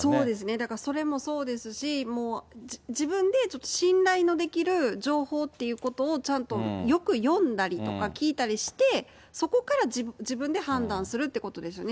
だからそれもそうですし、もう自分でちょっと信頼のできる情報っていうことを、ちゃんとよく読んだりとか聞いたりして、そこから自分で判断するってことですよね。